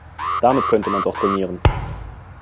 Damit könnte man doch trainieren.